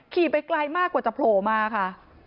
ไปไกลมากกว่าจะโผล่มาค่ะ